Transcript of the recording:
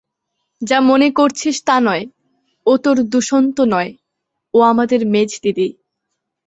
যা মনে করছিস তা নয়, ও তোর দুষ্যন্ত নয়– ও আমাদের মেজদিদি।